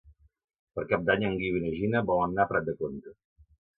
Per Cap d'Any en Guiu i na Gina volen anar a Prat de Comte.